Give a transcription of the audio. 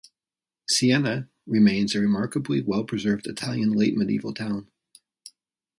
Siena remains a remarkably well-preserved Italian late-Medieval town.